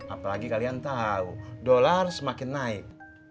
apalagi kalian tahu dolar semakin naik